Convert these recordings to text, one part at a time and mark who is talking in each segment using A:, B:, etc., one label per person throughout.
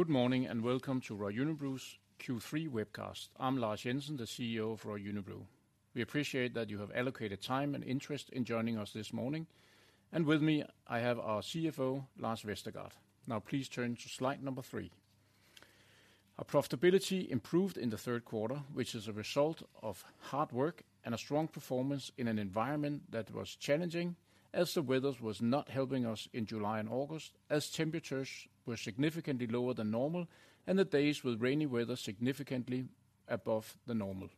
A: Good morning, and welcome to Royal Unibrew's Q3 webcast. I'm Lars Jensen, the CEO of Royal Unibrew. We appreciate that you have allocated time and interest in joining us this morning, and with me, I have our CFO, Lars Vestergaard. Now please turn to slide number three. Our profitability improved in the third quarter, which is a result of hard work and a strong performance in an environment that was challenging, as the weather was not helping us in July and August, as temperatures were significantly lower than normal, and the days with rainy weather significantly above the normal.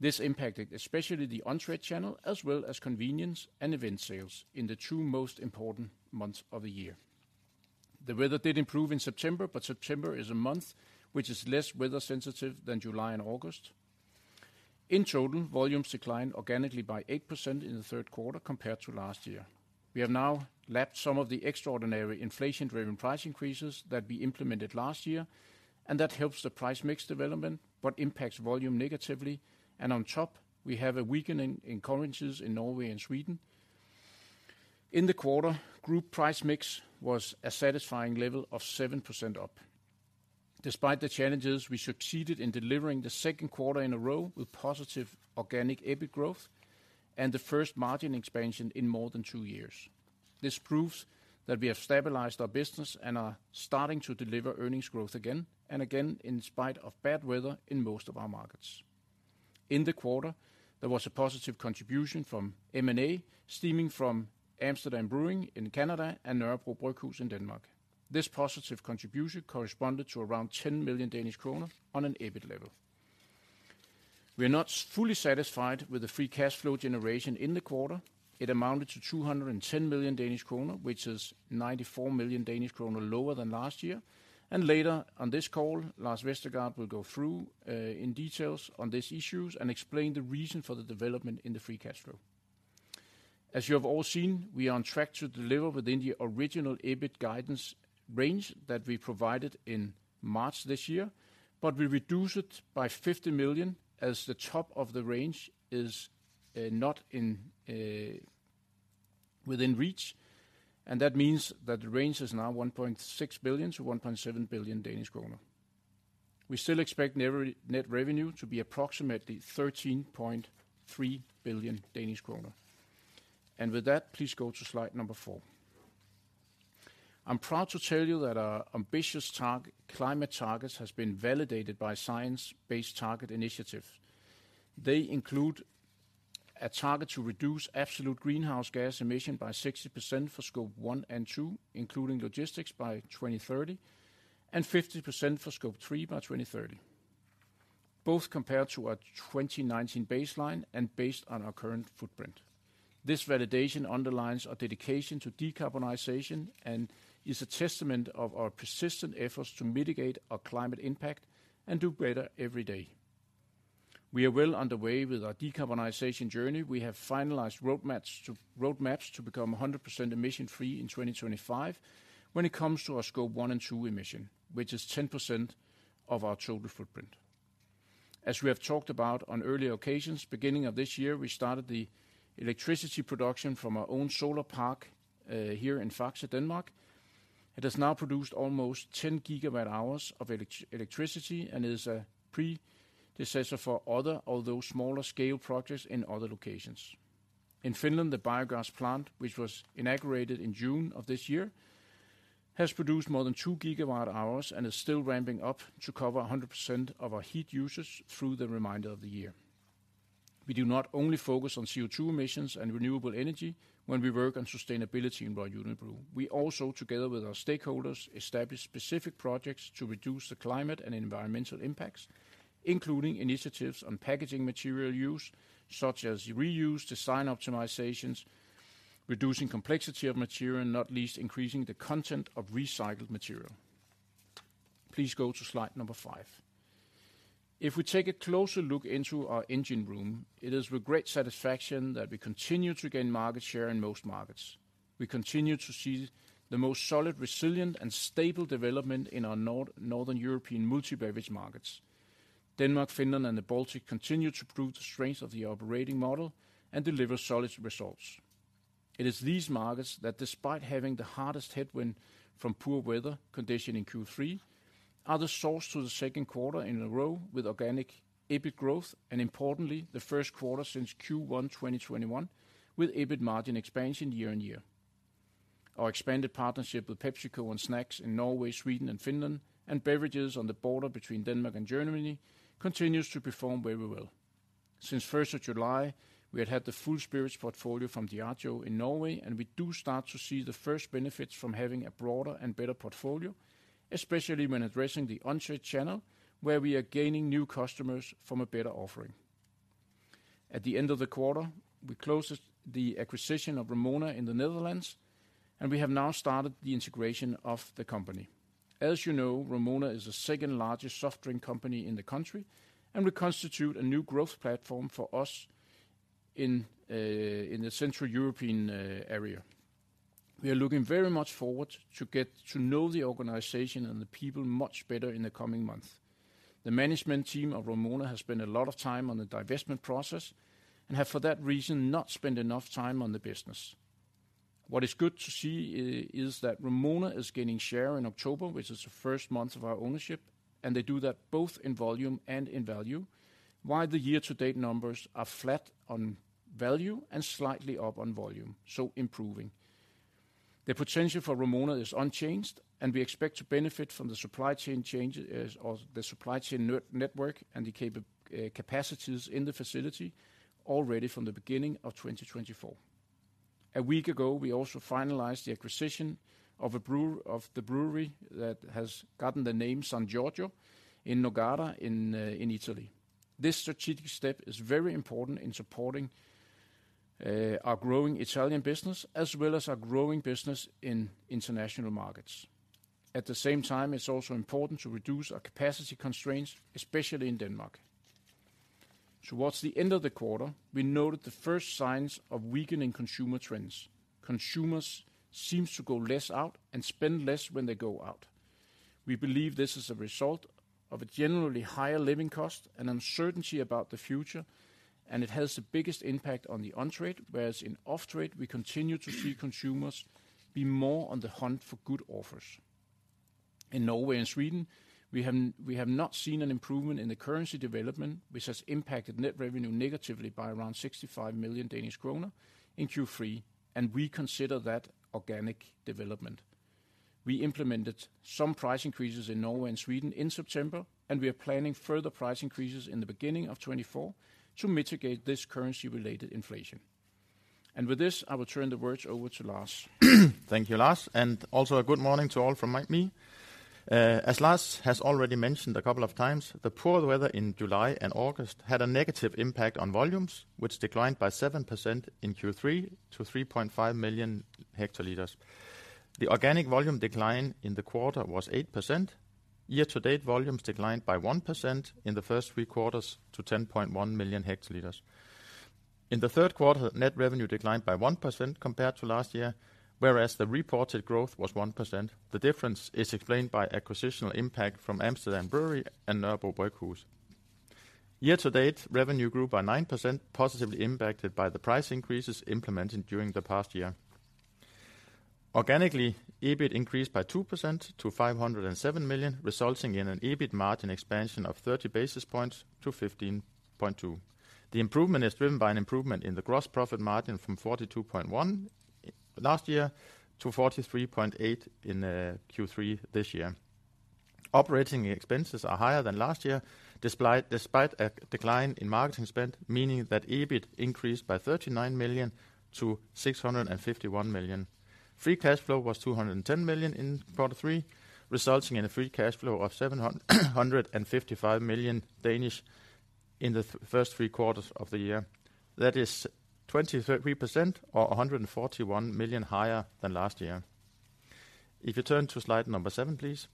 A: This impacted especially the on-trade channel, as well as convenience and event sales in the two most important months of the year. The weather did improve in September, but September is a month which is less weather-sensitive than July and August. In total, volumes declined organically by 8% in the third quarter compared to last year. We have now lapped some of the extraordinary inflation-driven price increases that we implemented last year, and that helps the price mix development, but impacts volume negatively. On top, we have a weakening in currencies in Norway and Sweden. In the quarter, group price mix was a satisfying level of 7% up. Despite the challenges, we succeeded in delivering the second quarter in a row with positive organic EBIT growth and the first margin expansion in more than two years. This proves that we have stabilized our business and are starting to deliver earnings growth again, and again, in spite of bad weather in most of our markets. In the quarter, there was a positive contribution from M&A, stemming from Amsterdam Brewery in Canada and Nørrebro Bryghus in Denmark. This positive contribution corresponded to around 10 million Danish kroner on an EBIT level. We are not fully satisfied with the free cash flow generation in the quarter. It amounted to 210 million Danish kroner, which is 94 million Danish kroner lower than last year, and later on this call, Lars Vestergaard will go through in details on these issues and explain the reason for the development in the free cash flow. As you have all seen, we are on track to deliver within the original EBIT guidance range that we provided in March this year, but we reduce it by 50 million, as the top of the range is not within reach, and that means that the range is now 1.6 billion-1.7 billion Danish kroner. We still expect net revenue to be approximately 13.3 billion Danish kroner. With that, please go to slide number four. I'm proud to tell you that our ambitious target, climate targets, has been validated by Science Based Targets initiative. They include a target to reduce absolute greenhouse gas emission by 60% for Scope 1 and 2, including logistics, by 2030, and 50% for Scope 3 by 2030, both compared to our 2019 baseline and based on our current footprint. This validation underlines our dedication to decarbonization and is a testament of our persistent efforts to mitigate our climate impact and do better every day. We are well underway with our decarbonization journey. We have finalized roadmaps to become 100% emission-free in 2025 when it comes to our Scope 1 and 2 emission, which is 10% of our total footprint. As we have talked about on earlier occasions, beginning of this year, we started the electricity production from our own solar park here in Faxe, Denmark. It has now produced almost 10 GWh of electricity and is a predecessor for other, although smaller scale, projects in other locations. In Finland, the biogas plant, which was inaugurated in June of this year, has produced more than 2 GWh and is still ramping up to cover 100% of our heat usage through the remainder of the year. We do not only focus on CO2 emissions and renewable energy when we work on sustainability in Royal Unibrew. We also, together with our stakeholders, establish specific projects to reduce the climate and environmental impacts, including initiatives on packaging material use, such as reuse, design optimizations, reducing complexity of material, not least, increasing the content of recycled material. Please go to slide number five. If we take a closer look into our engine room, it is with great satisfaction that we continue to gain market share in most markets. We continue to see the most solid, resilient, and stable development in our Northern European multi-beverage markets. Denmark, Finland, and the Baltic continue to prove the strength of the operating model and deliver solid results. It is these markets that, despite having the hardest headwind from poor weather condition in Q3, are the source to the second quarter in a row with organic EBIT growth, and importantly, the first quarter since Q1 2021, with EBIT margin expansion year-on-year. Our expanded partnership with PepsiCo on snacks in Norway, Sweden, and Finland, and beverages on the border between Denmark and Germany, continues to perform very well. Since 1st of July, we have had the full spirits portfolio from Diageo in Norway, and we do start to see the first benefits from having a broader and better portfolio, especially when addressing the on-trade channel, where we are gaining new customers from a better offering. At the end of the quarter, we closed the acquisition of Vrumona in the Netherlands, and we have now started the integration of the company. As you know, Vrumona is the second-largest soft drink company in the country and will constitute a new growth platform for us in the Central European area. We are looking very much forward to get to know the organization and the people much better in the coming months. The management team of Vrumona has spent a lot of time on the divestment process, and have, for that reason, not spent enough time on the business. What is good to see is that Vrumona is gaining share in October, which is the first month of our ownership, and they do that both in volume and in value, while the year-to-date numbers are flat on value and slightly up on volume, so improving. The potential for Vrumona is unchanged, and we expect to benefit from the supply chain changes, or the supply chain network, and the capacities in the facility already from the beginning of 2024. A week ago, we also finalized the acquisition of the brewery that has gotten the name San Giorgio di Nogaro, in Italy. This strategic step is very important in supporting our growing Italian business, as well as our growing business in international markets. At the same time, it's also important to reduce our capacity constraints, especially in Denmark. Towards the end of the quarter, we noted the first signs of weakening consumer trends. Consumers seem to go less out and spend less when they go out. We believe this is a result of a generally higher living cost and uncertainty about the future, and it has the biggest impact on the on-trade, whereas in off-trade, we continue to see consumers be more on the hunt for good offers. In Norway and Sweden, we have not seen an improvement in the currency development, which has impacted net revenue negatively by around 65 million Danish kroner in Q3, and we consider that organic development. We implemented some price increases in Norway and Sweden in September, and we are planning further price increases in the beginning of 2024 to mitigate this currency-related inflation. With this, I will turn the words over to Lars.
B: Thank you, Lars, and also a good morning to all from me. As Lars has already mentioned a couple of times, the poor weather in July and August had a negative impact on volumes, which declined by 7% in Q3, to 3.5 million hectoliters. The organic volume decline in the quarter was 8%. Year-to-date volumes declined by 1% in the first three quarters, to 10.1 million hectoliters. In the third quarter, net revenue declined by 1% compared to last year, whereas the reported growth was 1%. The difference is explained by acquisitional impact from Amsterdam Brewery and Nørrebro Bryghus. Year-to-date, revenue grew by 9%, positively impacted by the price increases implemented during the past year. Organically, EBIT increased by 2% to 507 million, resulting in an EBIT margin expansion of 30 basis points to 15.2%. The improvement is driven by an improvement in the gross profit margin from 42.1% last year to 43.8% in Q3 this year. Operating expenses are higher than last year, despite a decline in marketing spend, meaning that EBIT increased by 39 million to 651 million. Free cash flow was 210 million in quarter three, resulting in a free cash flow of 755 million in the first three quarters of the year. That is 23%, or 141 million higher than last year. If you turn to slide number seven, please.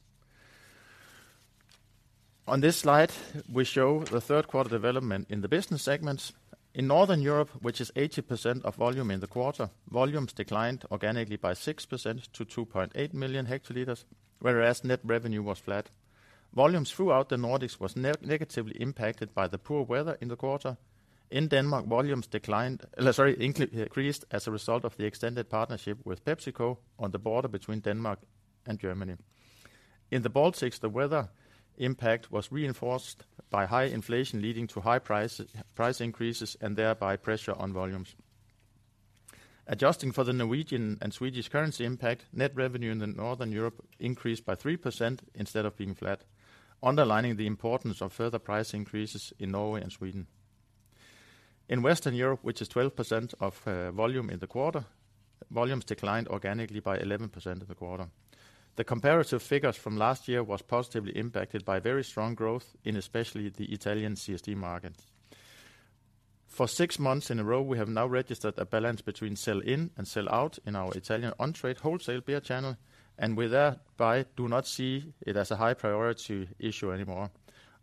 B: On this slide, we show the third quarter development in the business segments. In Northern Europe, which is 80% of volume in the quarter, volumes declined organically by 6% to 2.8 million hectoliters, whereas net revenue was flat. Volumes throughout the Nordics was negatively impacted by the poor weather in the quarter. In Denmark, volumes increased as a result of the extended partnership with PepsiCo on the border between Denmark and Germany. In the Baltics, the weather impact was reinforced by high inflation, leading to high price increases and thereby pressure on volumes. Adjusting for the Norwegian and Swedish currency impact, net revenue in the Northern Europe increased by 3% instead of being flat, underlining the importance of further price increases in Norway and Sweden. In Western Europe, which is 12% of volume in the quarter, volumes declined organically by 11% in the quarter. The comparative figures from last year was positively impacted by very strong growth in especially the Italian CSD market. For six months in a row, we have now registered a balance between sell-in and sell-out in our Italian on-trade wholesale beer channel, and we thereby do not see it as a high priority issue anymore.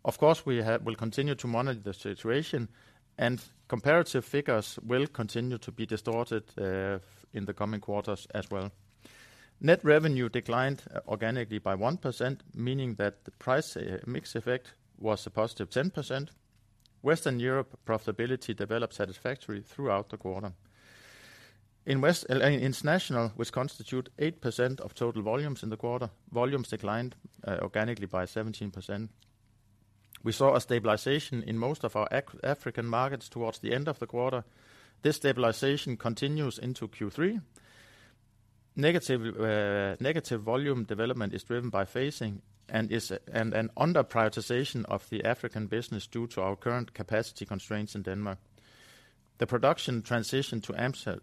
B: Of course, we'll continue to monitor the situation, and comparative figures will continue to be distorted in the coming quarters as well. Net revenue declined organically by 1%, meaning that the price mix effect was a positive 10%. Western Europe profitability developed satisfactory throughout the quarter. In West, in international, which constitute 8% of total volumes in the quarter, volumes declined organically by 17%. We saw a stabilization in most of our African markets towards the end of the quarter. This stabilization continues into Q3. Negative volume development is driven by phasing and under prioritization of the African business due to our current capacity constraints in Denmark. The production transition to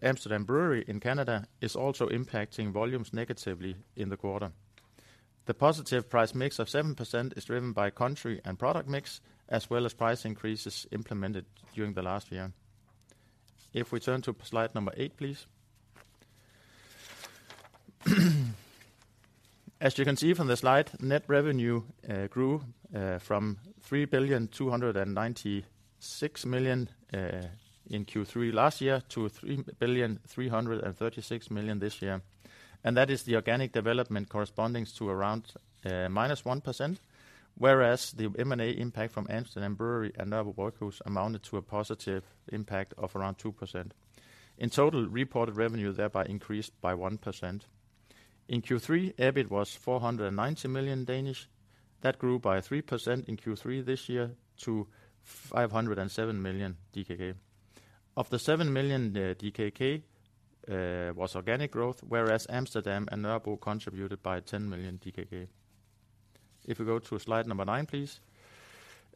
B: Amsterdam Brewery in Canada is also impacting volumes negatively in the quarter. The positive price mix of 7% is driven by country and product mix, as well as price increases implemented during the last year. If we turn to slide number eight, please. As you can see from the slide, net revenue grew from 3,296 million in Q3 last year to 3,336 million this year. And that is the organic development corresponding to around -1%, whereas the M&A impact from Amsterdam Brewery and Nørrebro Bryghus amounted to a positive impact of around 2%. In total, reported revenue thereby increased by 1%. In Q3, EBIT was 490 million. That grew by 3% in Q3 this year to 507 million DKK. Of the 7 million DKK was organic growth, whereas Amsterdam and Nørrebro contributed by 10 million DKK. If we go to slide nine, please.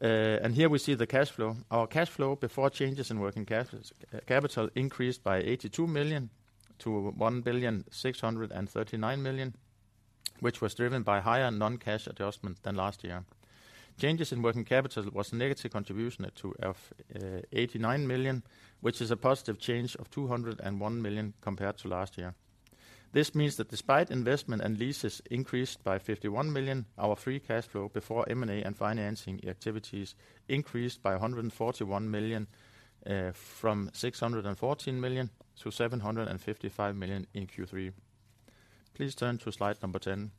B: And here we see the cash flow. Our cash flow before changes in working capital increased by 82 million to 1,639 million, which was driven by higher non-cash adjustments than last year. Changes in working capital was a negative contribution of 89 million, which is a positive change of 201 million compared to last year. This means that despite investment and leases increased by 51 million, our free cash flow before M&A and financing activities increased by 141 million from 614 million to 755 million in Q3. Please turn to slide 10.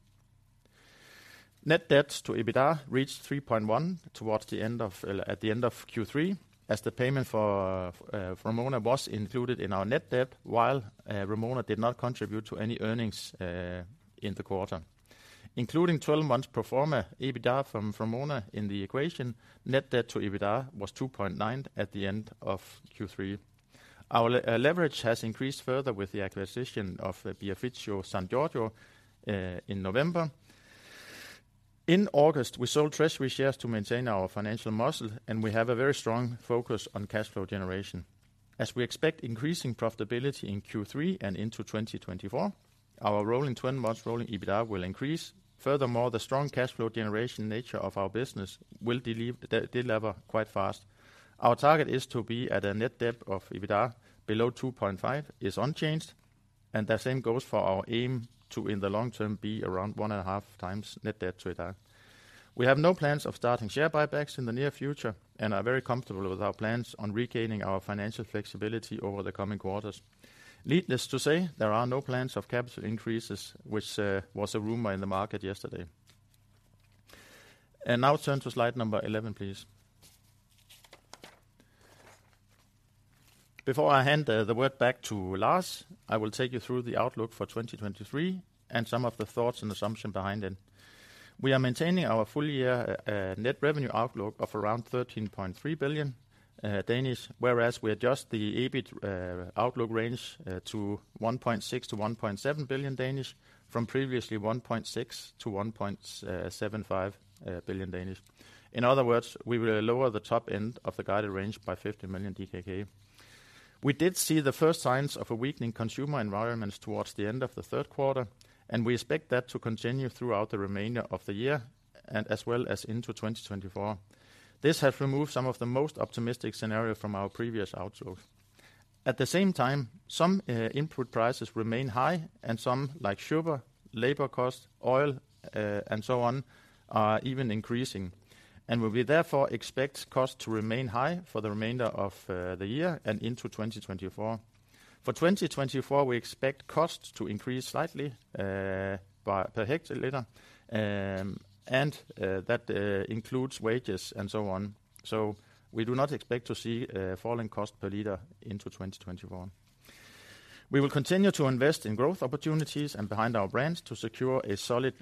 B: Net debt to EBITDA reached 3.1x towards the end of at the end of Q3, as the payment for Vrumona was included in our net debt, while Vrumona did not contribute to any earnings in the quarter. Including 12 months pro forma EBITDA from Vrumona in the equation, net debt to EBITDA was 2.9x at the end of Q3. Our leverage has increased further with the acquisition of Birrificio San Giorgio in November. In August, we sold treasury shares to maintain our financial muscle, and we have a very strong focus on cash flow generation. As we expect increasing profitability in Q3 and into 2024, our rolling 12 months rolling EBITDA will increase. Furthermore, the strong cash flow generation nature of our business will delever quite fast. Our target is to be at a net debt to EBITDA below 2.5x is unchanged, and the same goes for our aim to, in the long term, be around 1.5x net debt to EBITDA. We have no plans of starting share buybacks in the near future and are very comfortable with our plans on regaining our financial flexibility over the coming quarters. Needless to say, there are no plans of capital increases, which was a rumor in the market yesterday. And now turn to slide number 11, please. Before I hand the word back to Lars, I will take you through the outlook for 2023 and some of the thoughts and assumptions behind it. We are maintaining our full year net revenue outlook of around 13.3 billion, whereas we adjust the EBIT outlook range to 1.6 billion-1.7 billion, from previously 1.6 billion-1.75 billion. In other words, we will lower the top end of the guided range by 50 million DKK. We did see the first signs of a weakening consumer environment towards the end of the third quarter, and we expect that to continue throughout the remainder of the year and as well as into 2024. This has removed some of the most optimistic scenario from our previous outlook. At the same time, some input prices remain high, and some, like sugar, labor costs, oil, and so on, are even increasing, and we therefore expect costs to remain high for the remainder of the year and into 2024. For 2024, we expect costs to increase slightly per hectoliter, and that includes wages and so on. So we do not expect to see a falling cost per liter into 2024. We will continue to invest in growth opportunities and behind our brands to secure a solid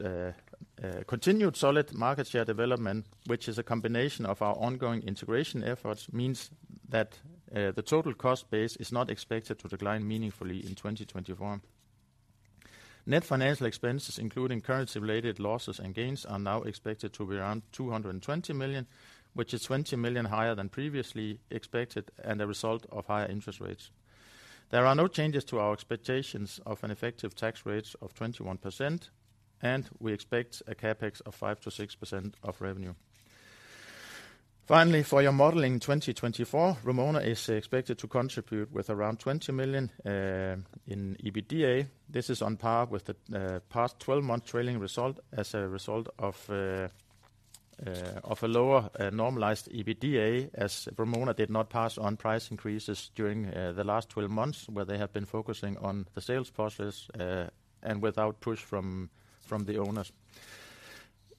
B: continued solid market share development, which is a combination of our ongoing integration efforts, means that the total cost base is not expected to decline meaningfully in 2024. Net financial expenses, including currency-related losses and gains, are now expected to be around 220 million, which is 20 million higher than previously expected and a result of higher interest rates. There are no changes to our expectations of an effective tax rate of 21%, and we expect a CapEx of 5%-6% of revenue. Finally, for your modeling 2024, Vrumona is expected to contribute with around 20 million in EBITDA. This is on par with the past 12-month trailing result as a result of a lower normalized EBITDA, as Vrumona did not pass on price increases during the last 12 months, where they have been focusing on the sales process and without push from the owners.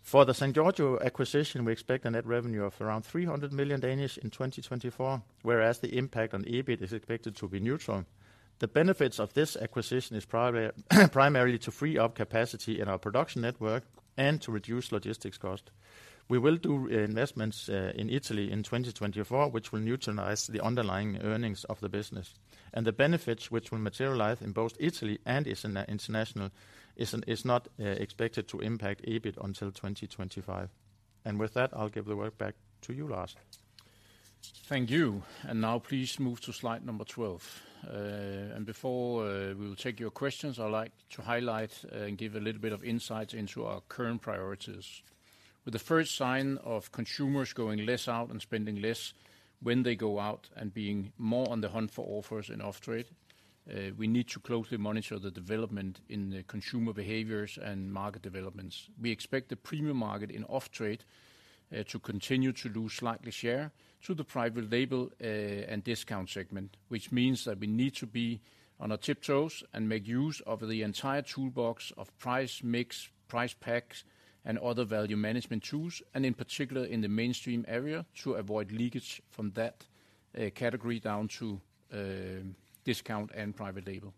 B: For the San Giorgio acquisition, we expect a net revenue of around 300 million in 2024, whereas the impact on EBIT is expected to be neutral. The benefits of this acquisition is primarily to free up capacity in our production network and to reduce logistics cost. We will do investments in Italy in 2024, which will neutralize the underlying earnings of the business. The benefits which will materialize in both Italy and its international is not expected to impact EBIT until 2025. With that, I'll give the word back to you, Lars.
A: Thank you. Now please move to slide number 12. And before we will take your questions, I'd like to highlight and give a little bit of insight into our current priorities. With the first sign of consumers going less out and spending less when they go out, and being more on the hunt for offers in off-trade, we need to closely monitor the development in the consumer behaviors and market developments. We expect the premium market in off-trade to continue to lose slightly share to the private label and discount segment, which means that we need to be on our tiptoes and make use of the entire toolbox of price mix, price packs, and other value management tools, and in particular, in the mainstream area, to avoid leakage from that category down to discount and private label.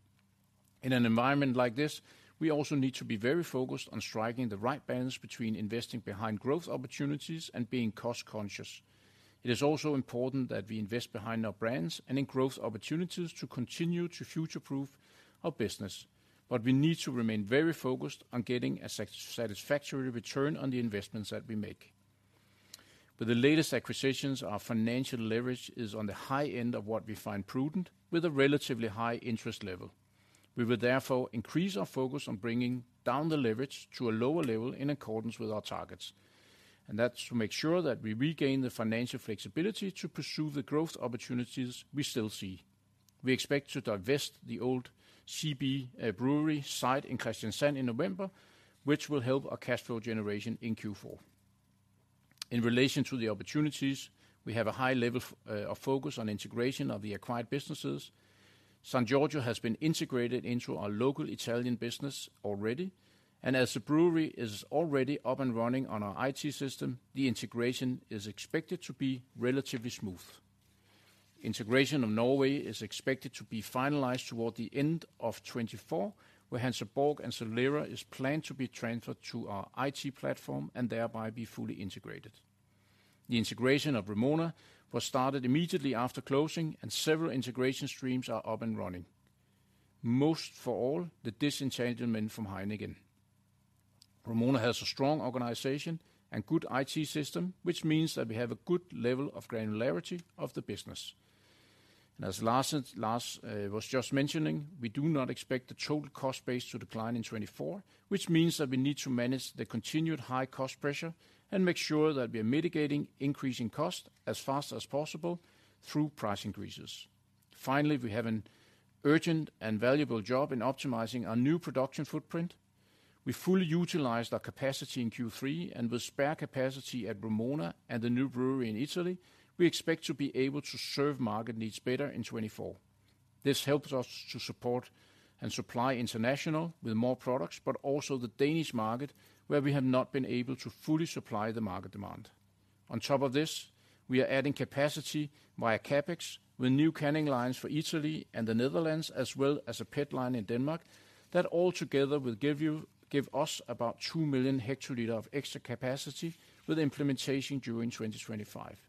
A: In an environment like this, we also need to be very focused on striking the right balance between investing behind growth opportunities and being cost-conscious. It is also important that we invest behind our brands and in growth opportunities to continue to future-proof our business, but we need to remain very focused on getting a satisfactory return on the investments that we make. With the latest acquisitions, our financial leverage is on the high end of what we find prudent, with a relatively high interest level. We will therefore increase our focus on bringing down the leverage to a lower level in accordance with our targets, and that's to make sure that we regain the financial flexibility to pursue the growth opportunities we still see. We expect to divest the old CB brewery site in Kristiansand in November, which will help our cash flow generation in Q4. In relation to the opportunities, we have a high level of focus on integration of the acquired businesses. San Giorgio has been integrated into our local Italian business already, and as the brewery is already up and running on our IT system, the integration is expected to be relatively smooth. Integration of Norway is expected to be finalized toward the end of 2024, where Hansa Borg and Solera is planned to be transferred to our IT platform and thereby be fully integrated. The integration of Vrumona was started immediately after closing, and several integration streams are up and running, most of all, the disengagement from Heineken. Vrumona has a strong organization and good IT system, which means that we have a good level of granularity of the business. As Lars, Lars, was just mentioning, we do not expect the total cost base to decline in 2024, which means that we need to manage the continued high cost pressure and make sure that we are mitigating increasing costs as fast as possible through price increases. Finally, we have an urgent and valuable job in optimizing our new production footprint. We fully utilized our capacity in Q3, and with spare capacity at Vrumona and the new brewery in Italy, we expect to be able to serve market needs better in 2024. This helps us to support and supply international with more products, but also the Danish market, where we have not been able to fully supply the market demand. On top of this, we are adding capacity via CapEx, with new canning lines for Italy and the Netherlands, as well as a PET line in Denmark, that all together will give us about 2 million hectoliters of extra capacity with implementation during 2025.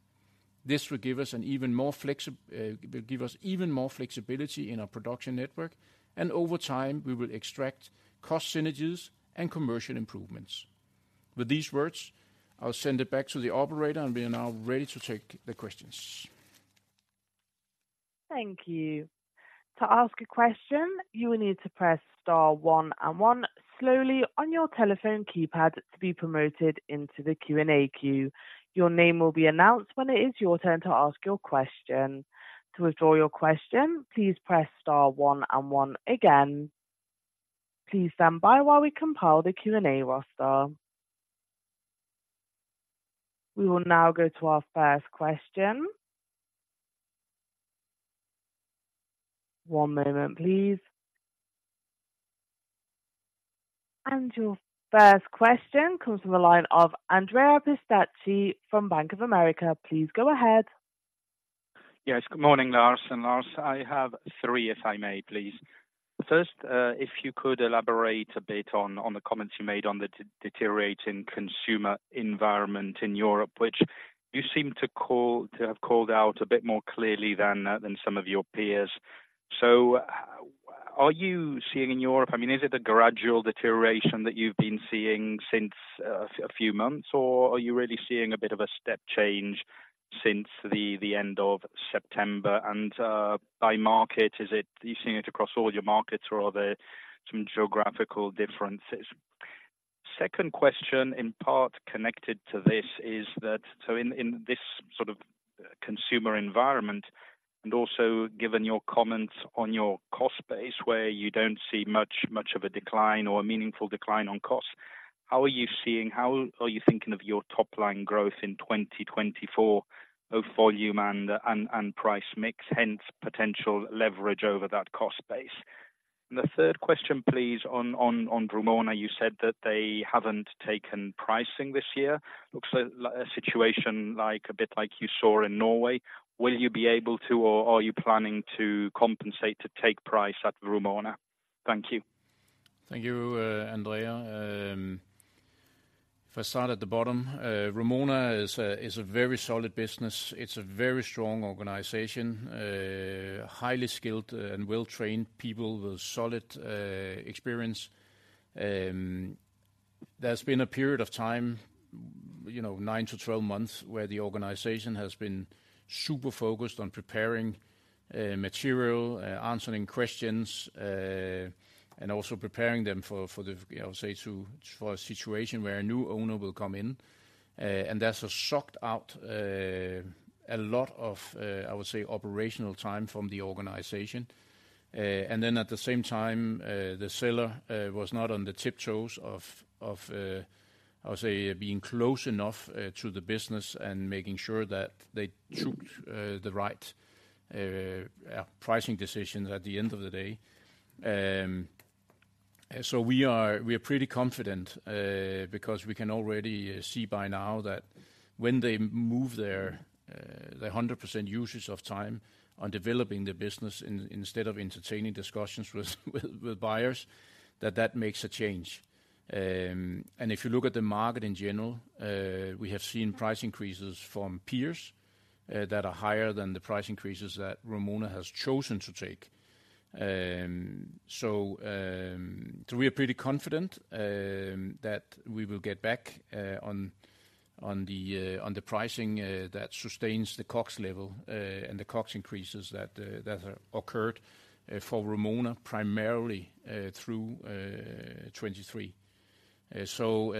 A: This will give us even more flexibility in our production network, and over time, we will extract cost synergies and commercial improvements. With these words, I'll send it back to the operator, and we are now ready to take the questions.
C: Thank you. To ask a question, you will need to press star one and one slowly on your telephone keypad to be prompted into the Q&A queue. Your name will be announced when it is your turn to ask your question. To withdraw your question, please press star one and one again. Please stand by while we compile the Q&A roster. We will now go to our first question. One moment, please. And your first question comes from the line of Andrea Pistacchi from Bank of America. Please go ahead.
D: Yes, good morning, Lars, and Lars. I have three, if I may, please. First, if you could elaborate a bit on the comments you made on the deteriorating consumer environment in Europe, which you seem to have called out a bit more clearly than some of your peers. So are you seeing in Europe, I mean, is it a gradual deterioration that you've been seeing since a few months, or are you really seeing a bit of a step change since the end of September? And, by market, is it, are you seeing it across all your markets, or are there some geographical differences? Second question, in part connected to this, is that, so in this sort of consumer environment, and also given your comments on your cost base, where you don't see much of a decline or a meaningful decline on costs, how are you seeing, how are you thinking of your top-line growth in 2024, of volume and price mix, hence potential leverage over that cost base? And the third question, please, on Vrumona, you said that they haven't taken pricing this year. Looks like a situation like, a bit like you saw in Norway. Will you be able to or are you planning to compensate to take price at Vrumona? Thank you.
A: Thank you, Andrea. If I start at the bottom, Vrumona is a very solid business. It's a very strong organization, highly skilled and well-trained people with solid experience. There's been a period of time, you know, nine-12 months, where the organization has been super focused on preparing material, answering questions, and also preparing them for the, I would say, to for a situation where a new owner will come in. And that's sucked out a lot of, I would say, operational time from the organization. And then at the same time, the seller was not on the tiptoes of, I would say, being close enough to the business and making sure that they took the right pricing decisions at the end of the day. So we are pretty confident because we can already see by now that when they move their 100% usage of time on developing the business instead of entertaining discussions with buyers, that makes a change. And if you look at the market in general, we have seen price increases from peers that are higher than the price increases that Vrumona has chosen to take. So we are pretty confident that we will get back on the pricing that sustains the COGS level and the COGS increases that occurred for Vrumona, primarily through 2023. So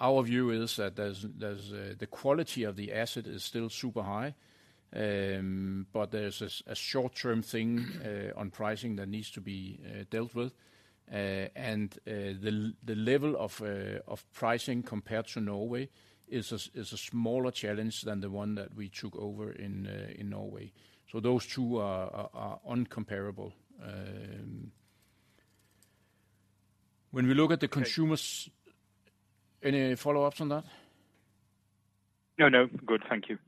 A: our view is that there's... The quality of the asset is still super high, but there's a short-term thing on pricing that needs to be dealt with. The level of pricing compared to Norway is a smaller challenge than the one that we took over in Norway. So those two are incomparable. When we look at the consumers - Any follow-ups on that?
D: No, no. Good. Thank you.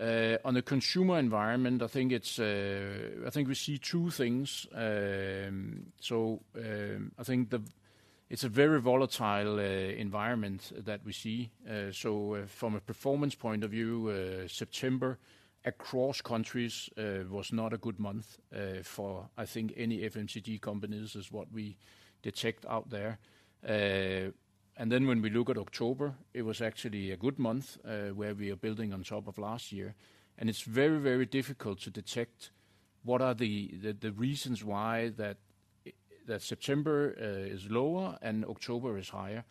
A: Okay. On the consumer environment, I think it's, I think we see two things. So, I think it's a very volatile environment that we see. So from a performance point of view, September, across countries, was not a good month, for, I think, any FMCG companies, is what we detect out there. And then when we look at October, it was actually a good month, where we are building on top of last year, and it's very, very difficult to detect what are the reasons why that September is lower and October is higher.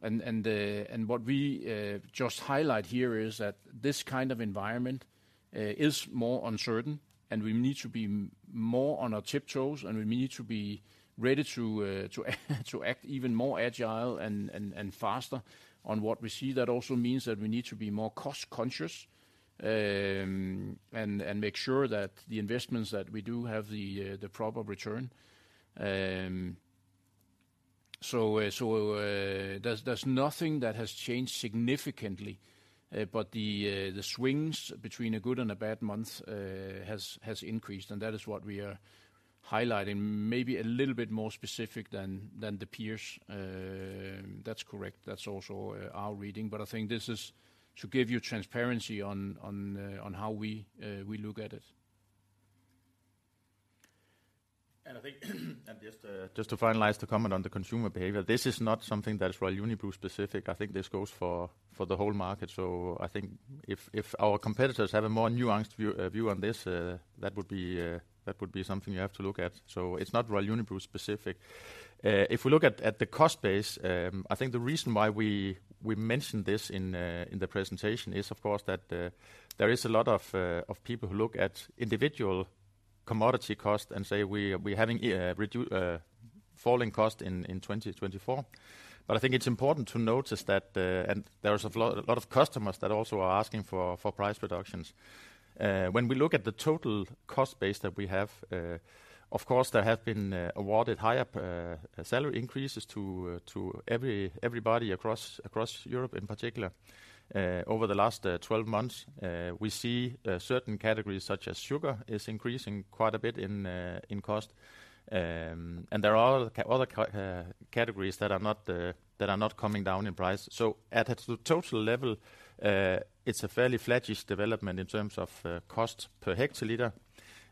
A: What we just highlight here is that this kind of environment is more uncertain, and we need to be more on our tiptoes, and we need to be ready to act even more agile and faster on what we see. That also means that we need to be more cost conscious and make sure that the investments that we do have the proper return. There's nothing that has changed significantly, but the swings between a good and a bad month has increased, and that is what we are highlighting, maybe a little bit more specific than the peers. That's correct. That's also our reading, but I think this is to give you transparency on how we look at it.
B: I think, just to finalize the comment on the consumer behavior, this is not something that is Royal Unibrew specific. I think this goes for the whole market. I think if our competitors have a more nuanced view on this, that would be something you have to look at. So it's not Royal Unibrew specific. If we look at the cost base, I think the reason why we mentioned this in the presentation is, of course, that there is a lot of people who look at individual commodity cost and say, we're having falling cost in 2024. But I think it's important to notice that, and there is a lot, a lot of customers that also are asking for, for price reductions. When we look at the total cost base that we have, of course, there have been awarded higher salary increases to everybody across Europe, in particular, over the last 12 months. We see certain categories, such as sugar, is increasing quite a bit in cost. And there are other categories that are not coming down in price. So at a total level, it's a fairly flattish development in terms of cost per hectoliter.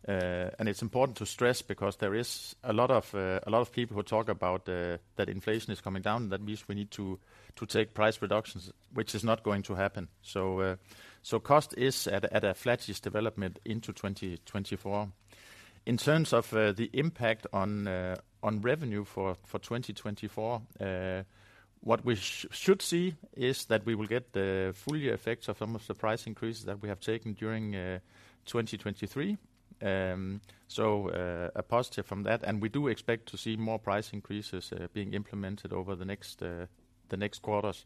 B: And it's important to stress, because there is a lot of a lot of people who talk about that inflation is coming down, that means we need to to take price reductions, which is not going to happen. So so cost is at a at a flattish development into 2024. In terms of the impact on on revenue for for 2024, what we should see is that we will get the full year effects of some of the price increases that we have taken during 2023. So a positive from that, and we do expect to see more price increases being implemented over the next the next quarters.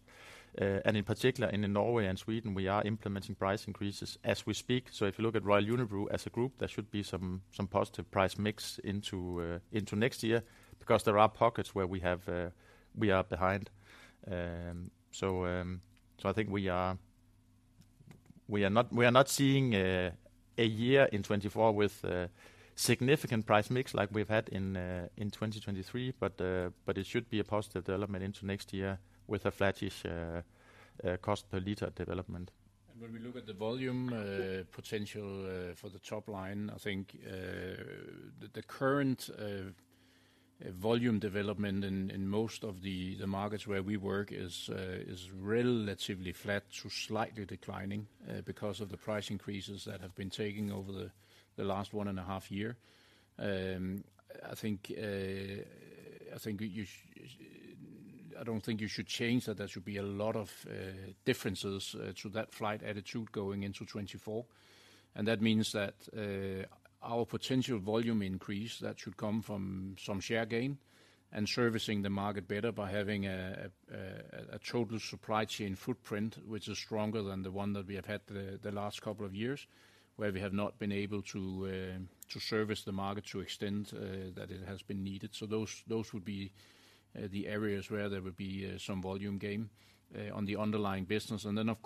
B: And in particular, in Norway and Sweden, we are implementing price increases as we speak. So if you look at Royal Unibrew as a group, there should be some positive price mix into next year, because there are pockets where we have we are behind. So I think we are not seeing a year in 2024 with significant price mix like we've had in 2023, but it should be a positive development into next year with a flattish cost per liter development.
A: And when we look at the volume potential for the top line, I think the current volume development in most of the markets where we work is relatively flat to slightly declining because of the price increases that have been taking over the last one and a half year. I don't think you should change that. There should be a lot of differences to that flat attitude going into 2024. And that means that our potential volume increase that should come from some share gain and servicing the market better by having a total supply chain footprint, which is stronger than the one that we have had the last couple of years, where we have not been able to service the market to the extent that it has been needed. So those would be the areas where there would be some volume gain on the underlying business. And then, of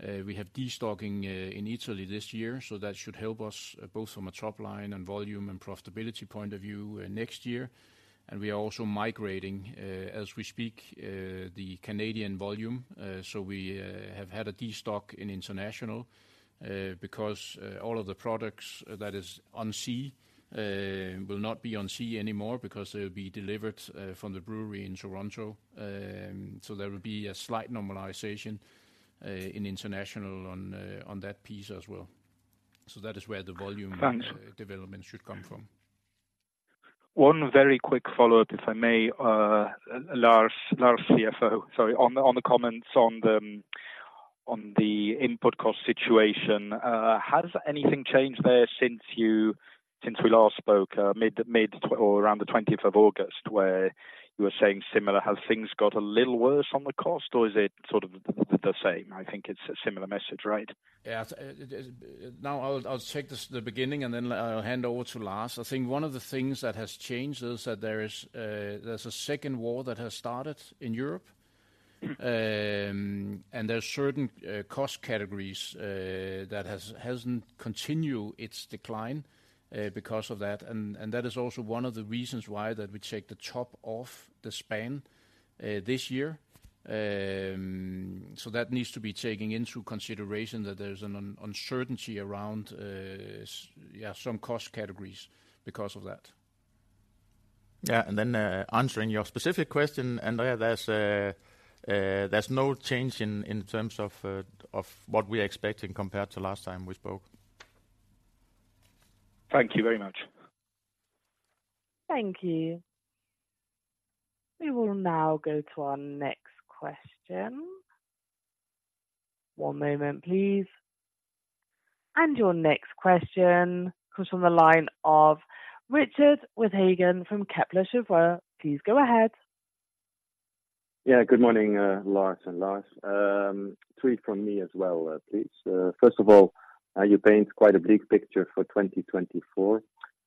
A: course, we have destocking in Italy this year, so that should help us both from a top line and volume and profitability point of view next year. And we are also migrating, as we speak, the Canadian volume. So we have had a destock in international, because all of the products that is on sea will not be on sea anymore because they'll be delivered from the brewery in Toronto. So there will be a slight normalization in international on that piece as well. So that is where the volume-
D: Thank-
A: development should come from.
D: One very quick follow-up, if I may, Lars, Lars, CFO, sorry. On the comments on the input cost situation. Has anything changed there since we last spoke, mid or around the 20th of August, where you were saying similar? Have things got a little worse on the cost, or is it sort of the same? I think it's a similar message, right?
A: Yeah, it is. Now, I'll take this, the beginning, and then I'll hand over to Lars. I think one of the things that has changed is that there is, there's a second war that has started in Europe. And there are certain cost categories that hasn't continued its decline because of that. And that is also one of the reasons why that we take the top off the span this year. So that needs to be taken into consideration, that there's an uncertainty around some cost categories because of that.
B: Yeah, and then, answering your specific question, Andrea, there's no change in terms of what we are expecting compared to last time we spoke.
D: Thank you very much.
C: Thank you. We will now go to our next question. One moment, please. Your next question comes from the line of Richard Withagen from Kepler Cheuvreux. Please go ahead.
E: Yeah, good morning, Lars and Lars. Three from me as well, please. First of all, you paint quite a bleak picture for 2024.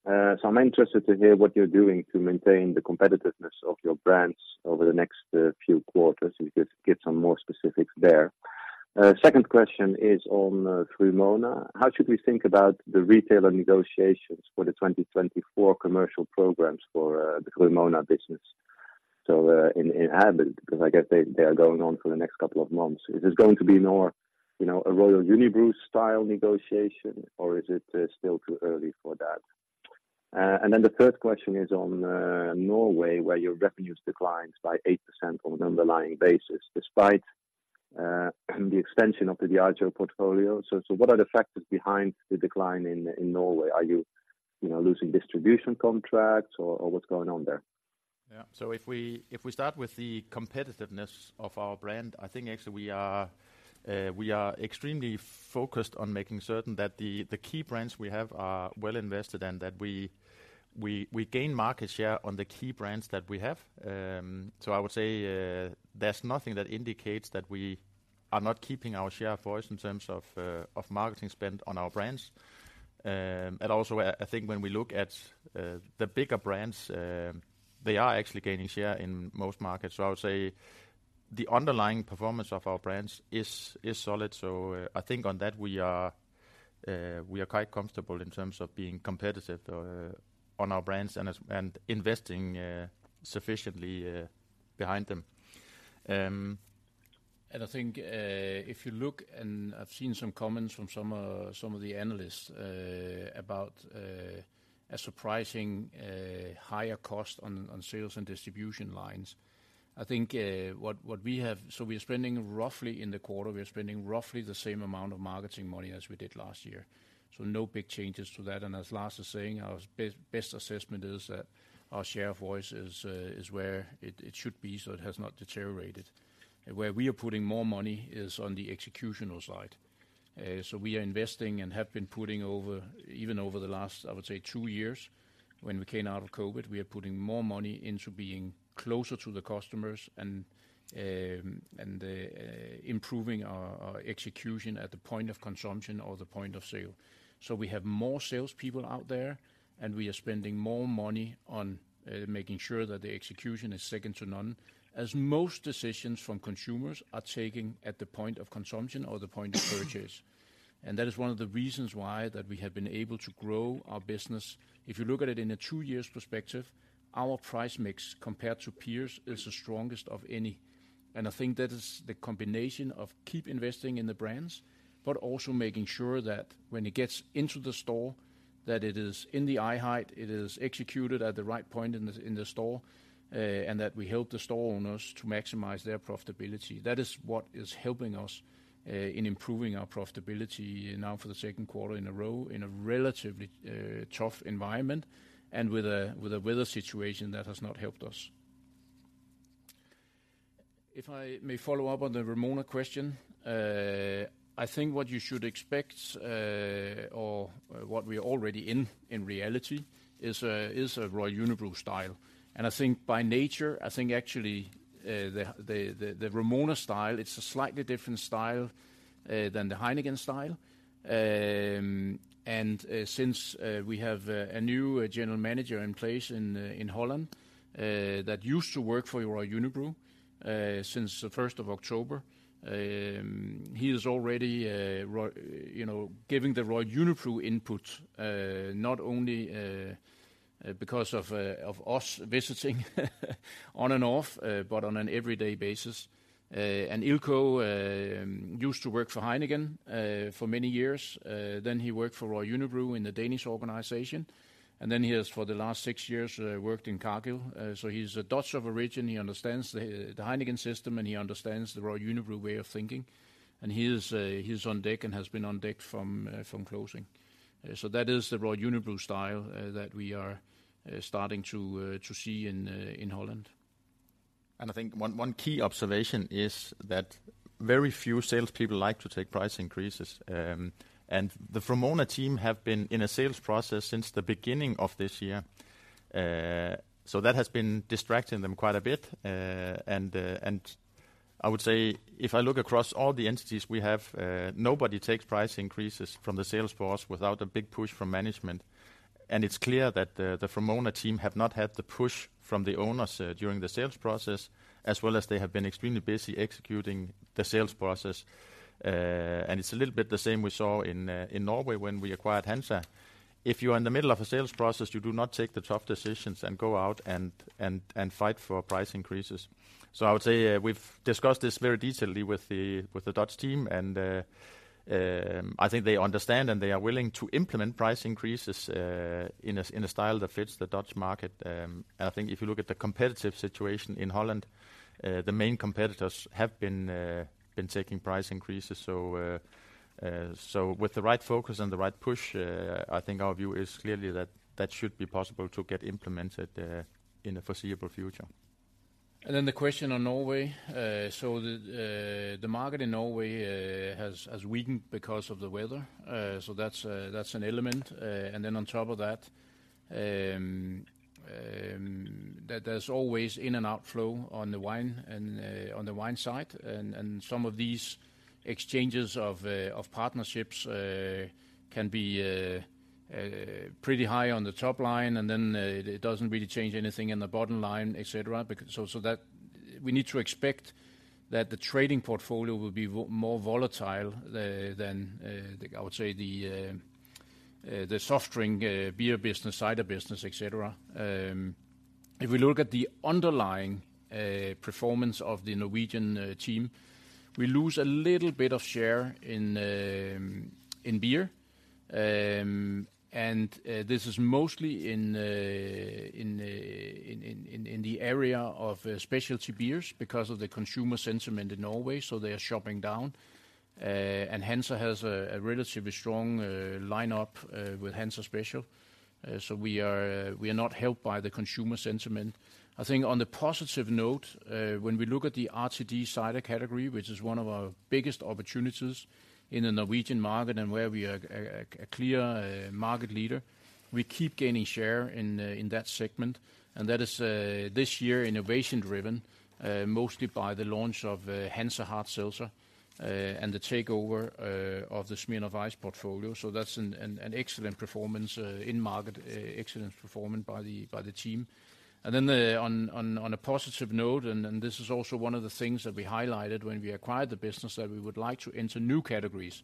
E: So I'm interested to hear what you're doing to maintain the competitiveness of your brands over the next few quarters, and just get some more specifics there. Second question is on Vrumona. How should we think about the retailer negotiations for the 2024 commercial programs for the Vrumona business? So, in about, because I guess they are going on for the next couple of months. Is this going to be more, you know, a Royal Unibrew style negotiation, or is it still too early for that? And then the third question is on Norway, where your revenues declined by 8% on an underlying basis, despite the extension of the Diageo portfolio. So what are the factors behind the decline in Norway? Are you, you know, losing distribution contracts or what's going on there?
B: Yeah. So if we, if we start with the competitiveness of our brand, I think actually we are, we are extremely focused on making certain that the, the key brands we have are well invested and that we, we, we gain market share on the key brands that we have. So I would say, there's nothing that indicates that we are not keeping our share of voice in terms of, of marketing spend on our brands. And also, I, I think when we look at, the bigger brands, they are actually gaining share in most markets. So I would say the underlying performance of our brands is, is solid. So, I think on that we are, we are quite comfortable in terms of being competitive, on our brands and investing, sufficiently, behind them.
A: And I think, if you look, and I've seen some comments from some, some of the analysts, about a surprising, higher cost on sales and distribution lines. I think, what we have... So we are spending roughly in the quarter, we are spending roughly the same amount of marketing money as we did last year, so no big changes to that. And as Lars is saying, our best assessment is that our share of voice is where it should be, so it has not deteriorated. Where we are putting more money is on the executional side. So we are investing and have been putting over, even over the last, I would say two years, when we came out of COVID, we are putting more money into being closer to the customers and, and, improving our, our execution at the point of consumption or the point of sale. So we have more salespeople out there, and we are spending more money on, making sure that the execution is second to none, as most decisions from consumers are taking at the point of consumption or the point of purchase... and that is one of the reasons why that we have been able to grow our business. If you look at it in a two years perspective, our price mix compared to peers is the strongest of any, and I think that is the combination of keep investing in the brands, but also making sure that when it gets into the store, that it is in the eye height, it is executed at the right point in the store, and that we help the store owners to maximize their profitability. That is what is helping us in improving our profitability now for the second quarter in a row in a relatively tough environment and with a weather situation that has not helped us. If I may follow up on the Vrumona question, I think what you should expect, or what we are already in reality, is a Royal Unibrew style. I think by nature, I think actually, the Vrumona style, it's a slightly different style than the Heineken style. And since we have a new general manager in place in the Netherlands that used to work for Royal Unibrew since the 1st October, he is already, you know, giving the Royal Unibrew input, not only because of us visiting on and off, but on an every day basis. And Ilco used to work for Heineken for many years, then he worked for Royal Unibrew in the Danish organization, and then he has, for the last six years, worked in Cargill. So he's Dutch of origin, he understands the Heineken system, and he understands the Royal Unibrew way of thinking, and he is on deck and has been on deck from closing. So that is the Royal Unibrew style that we are starting to see in Holland.
B: And I think one key observation is that very few salespeople like to take price increases, and the Vrumona team have been in a sales process since the beginning of this year. So that has been distracting them quite a bit. And I would say if I look across all the entities we have, nobody takes price increases from the sales force without a big push from management. And it's clear that the Vrumona team have not had the push from the owners during the sales process, as well as they have been extremely busy executing the sales process. And it's a little bit the same we saw in Norway when we acquired Hansa. If you are in the middle of a sales process, you do not take the tough decisions and go out and fight for price increases. So I would say, we've discussed this in great detail with the Dutch team, and I think they understand, and they are willing to implement price increases in a style that fits the Dutch market. And I think if you look at the competitive situation in Holland, the main competitors have been taking price increases. So with the right focus and the right push, I think our view is clearly that that should be possible to get implemented in the foreseeable future.
A: Then the question on Norway, so the market in Norway has weakened because of the weather, so that's an element. And then on top of that, that there's always in and out flow on the wine and on the wine side, and some of these exchanges of partnerships can be pretty high on the top line, and then it doesn't really change anything in the bottom line, et cetera. Because so that we need to expect that the trading portfolio will be more volatile than I would say the soft drink beer business, cider business, et cetera. If we look at the underlying performance of the Norwegian team, we lose a little bit of share in beer. This is mostly in the area of specialty beers because of the consumer sentiment in Norway, so they are shopping down. Hansa has a relatively strong lineup with Hansa Spesial, so we are not helped by the consumer sentiment. I think on the positive note, when we look at the RTD cider category, which is one of our biggest opportunities in the Norwegian market and where we are a clear market leader, we keep gaining share in that segment, and that is this year, innovation driven, mostly by the launch of Hansa Hard Seltzer and the takeover of the Smirnoff Ice portfolio. So that's an excellent performance in market, excellent performance by the team. And then on a positive note, and this is also one of the things that we highlighted when we acquired the business, that we would like to enter new categories.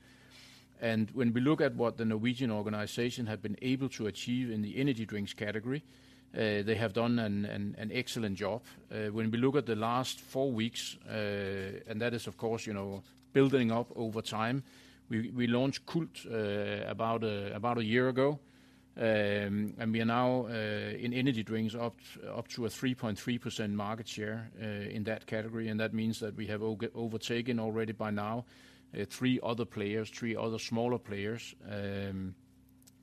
A: And when we look at what the Norwegian organization have been able to achieve in the energy drinks category, they have done an excellent job. When we look at the last four weeks, and that is, of course, you know, building up over time, we launched CULT about a year ago. And we are now in energy drinks up to a 3.3% market share in that category, and that means that we have overtaken already by now three other players, three other smaller players.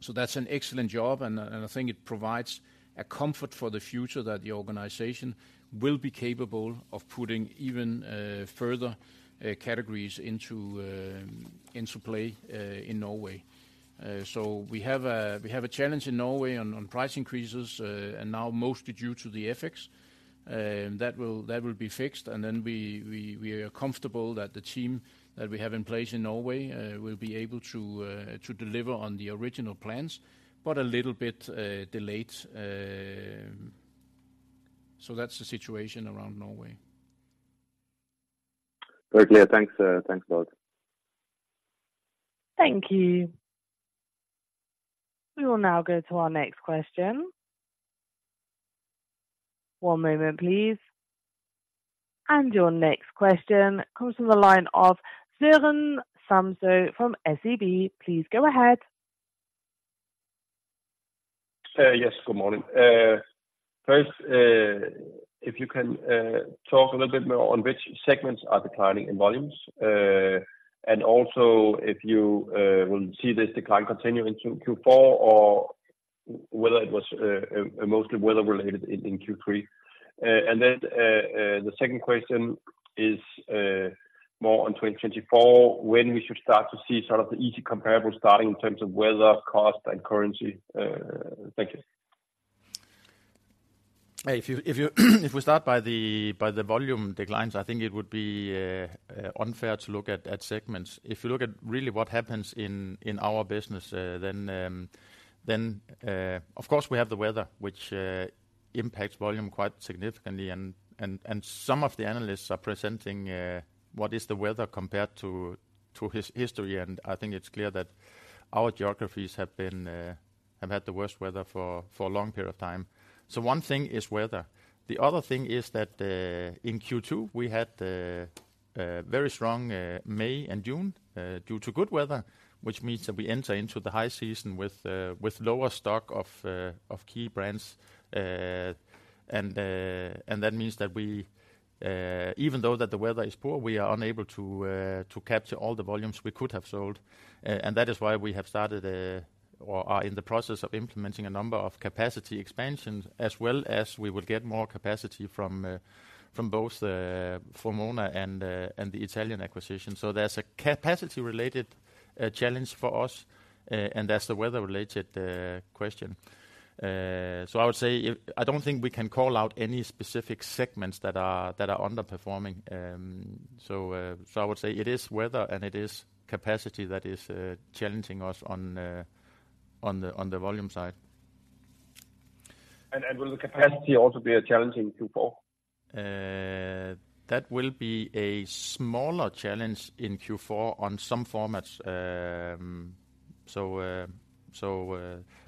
A: So that's an excellent job, and I think it provides a comfort for the future that the organization will be capable of putting even further categories into play in Norway. So we have a challenge in Norway on price increases, and now mostly due to the FX, that will be fixed, and then we are comfortable that the team that we have in place in Norway will be able to deliver on the original plans, but a little bit delayed....
B: That's the situation around Norway.
E: Very clear. Thanks, thanks a lot.
C: Thank you. We will now go to our next question. One moment, please. Your next question comes from the line of Søren Samsøe from SEB. Please go ahead.
F: Yes, good morning. First, if you can talk a little bit more on which segments are declining in volumes. And also, if you will see this decline continuing to Q4 or whether it was mostly weather related in Q3. And then, the second question is more on 2024, when we should start to see sort of the easy comparable starting in terms of weather, cost, and currency? Thank you.
B: If we start by the volume declines, I think it would be unfair to look at segments. If you look at really what happens in our business, then of course we have the weather, which impacts volume quite significantly. And some of the analysts are presenting what is the weather compared to history, and I think it's clear that our geographies have had the worst weather for a long period of time. So one thing is weather. The other thing is that in Q2 we had a very strong May and June due to good weather. Which means that we enter into the high season with lower stock of key brands. And that means that we, even though that the weather is poor, we are unable to capture all the volumes we could have sold. And that is why we have started, or are in the process of implementing a number of capacity expansions, as well as we will get more capacity from both Vrumona and the Italian acquisition. So there's a capacity-related challenge for us, and that's the weather-related question. So I would say if... I don't think we can call out any specific segments that are underperforming. So I would say it is weather, and it is capacity that is challenging us on the volume side.
F: And will the capacity also be a challenge in Q4?
B: That will be a smaller challenge in Q4 on some formats.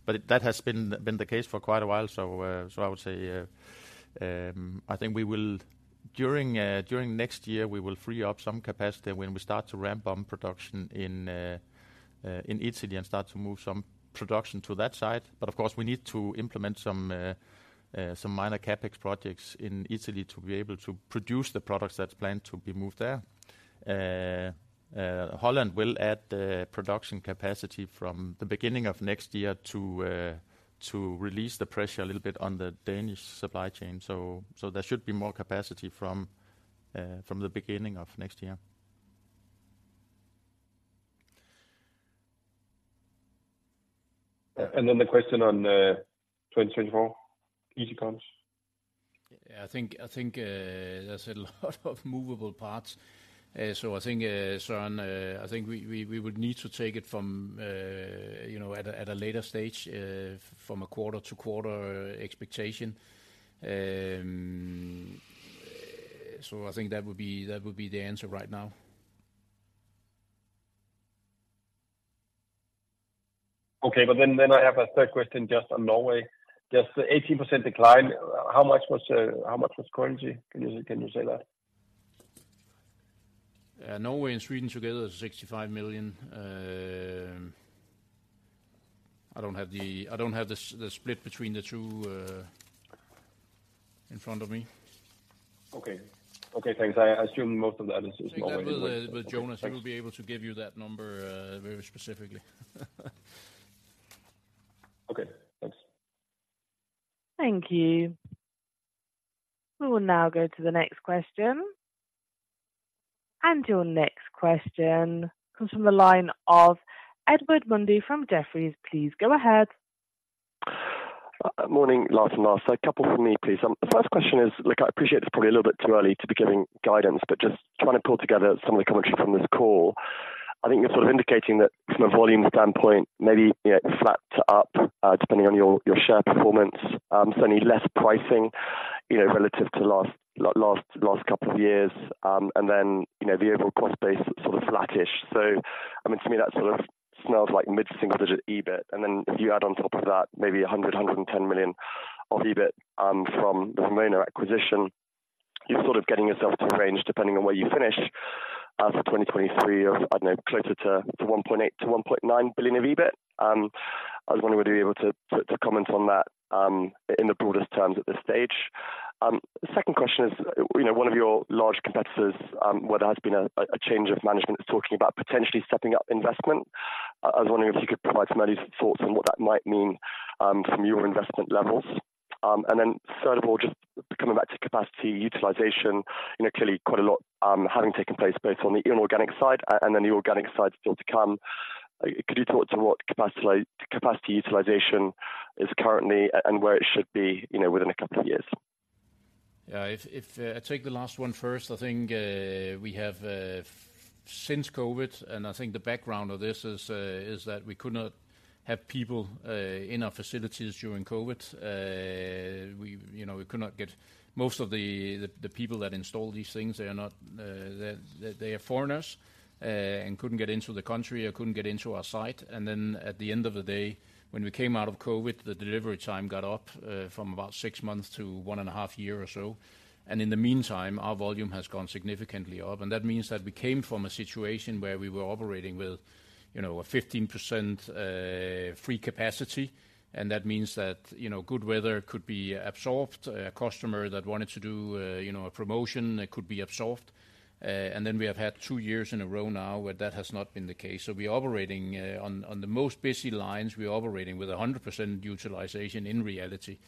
B: But that has been the case for quite a while. So I would say, I think we will, during next year, we will free up some capacity when we start to ramp up production in Italy and start to move some production to that side. But, of course, we need to implement some minor CapEx projects in Italy to be able to produce the products that's planned to be moved there. Holland will add production capacity from the beginning of next year to release the pressure a little bit on the Danish supply chain. So there should be more capacity from the beginning of next year.
F: Then the question on 2024, easy comps?
A: Yeah, I think, I think, there's a lot of movable parts. So I think, Søren, I think we, we, we would need to take it from, you know, at a, at a later stage, from a quarter-to-quarter expectation. So I think that would be, that would be the answer right now.
F: Okay, but then I have a third question just on Norway. Just the 18% decline, how much was currency? Can you say that?
A: Norway and Sweden together, 65 million. I don't have the split between the two, in front of me.
F: Okay. Okay, thanks. I assume most of that is Norway.
A: Take that with Jonas. He will be able to give you that number, very specifically.
F: Okay, thanks.
C: Thank you. We will now go to the next question. Your next question comes from the line of Edward Mundy from Jefferies. Please go ahead.
G: Morning, Lars and Lars. So a couple from me, please. The first question is, look, I appreciate it's probably a little bit too early to be giving guidance, but just trying to pull together some of the commentary from this call. I think you're sort of indicating that from a volume standpoint, maybe, you know, flat to up, depending on your share performance. Certainly less pricing, you know, relative to last couple of years. And then, you know, the overall cost base, sort of, flattish. So I mean, to me, that sort of smells like mid-single-digit EBIT. And then if you add on top of that, maybe 100 million-110 million of EBIT from the Vrumona acquisition, you're sort of getting yourself to a range, depending on where you finish, for 2023 of, I don't know, closer to 1.8 billion-1.9 billion of EBIT. I was wondering whether you were able to comment on that in the broadest terms at this stage. The second question is, you know, one of your large competitors, where there has been a change of management, is talking about potentially stepping up investment. I was wondering if you could provide some early thoughts on what that might mean from your investment levels. And then, third of all, just coming back to capacity utilization, you know, clearly quite a lot having taken place, both on the inorganic side and then the organic side still to come. Could you talk to what capacity, capacity utilization is currently and where it should be, you know, within a couple of years?
A: Yeah, if I take the last one first, I think we have since COVID, and I think the background of this is that we could not have people in our facilities during COVID. We, you know, we could not get most of the people that install these things, they are not foreigners, and couldn't get into the country or couldn't get into our site. And then at the end of the day, when we came out of COVID, the delivery time got up from about six months to one and a half year or so. In the meantime, our volume has gone significantly up, and that means that we came from a situation where we were operating with, you know, a 15% free capacity, and that means that, you know, good weather could be absorbed. A customer that wanted to do, you know, a promotion could be absorbed. And then we have had two years in a row now where that has not been the case. So we are operating on the most busy lines, we're operating with a 100% utilization in reality,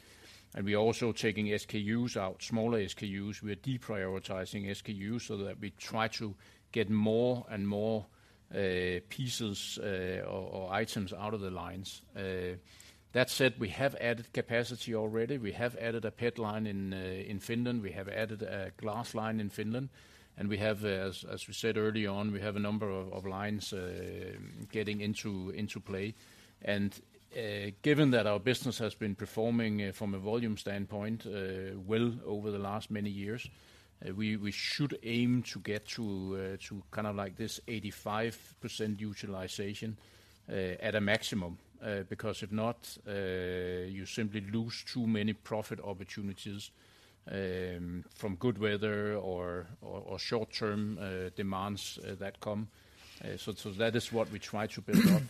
A: and we're also taking SKUs out, smaller SKUs. We're deprioritizing SKUs so that we try to get more and more pieces or items out of the lines. That said, we have added capacity already. We have added a PET line in Finland. We have added a glass line in Finland, and we have, as we said early on, we have a number of lines getting into play. And, given that our business has been performing from a volume standpoint well over the last many years, we should aim to get to kind of like this 85% utilization at a maximum, because if not, you simply lose too many profit opportunities from good weather or short-term demands that come. So, that is what we try to build up.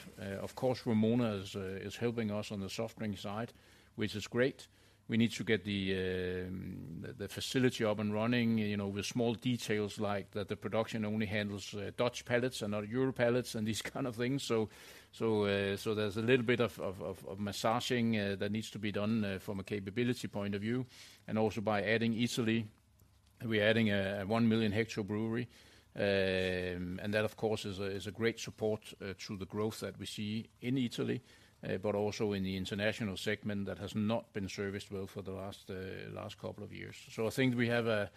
A: Of course, Vrumona is helping us on the soft drink side, which is great. We need to get the facility up and running, you know, with small details like that the production only handles Dutch pallets and not Euro pallets and these kind of things. So there's a little bit of massaging that needs to be done from a capability point of view, and also by adding Italy, we're adding a 1 million hectoliters brewery. And that, of course, is a great support to the growth that we see in Italy, but also in the international segment that has not been serviced well for the last couple of years. So I think we have a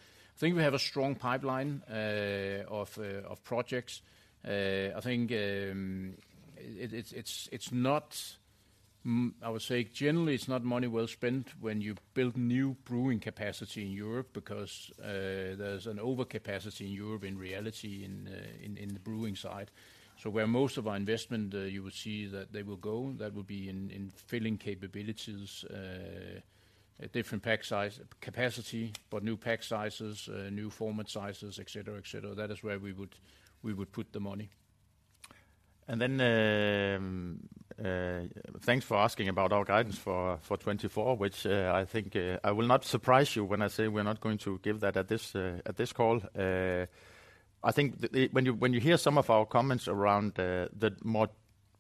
A: strong pipeline of projects. I think, it's not, I would say, generally, it's not money well spent when you build new brewing capacity in Europe, because, there's an overcapacity in Europe, in reality, in the brewing side. So where most of our investment, you will see that they will go, that will be in filling capabilities, a different pack size, capacity, but new pack sizes, new format sizes, et cetera, et cetera. That is where we would, we would put the money. And then, thanks for asking about our guidance for 2024, which, I think, I will not surprise you when I say we're not going to give that at this call. I think when you hear some of our comments around the more